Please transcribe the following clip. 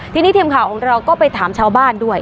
ทีนี้ทีมข่าวของเราก็ไปถามชาวบ้านด้วย